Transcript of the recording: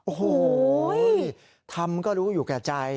โอ้โหทำก็รู้อยู่แก่ใจ